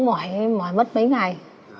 mỏi mất mấy ngày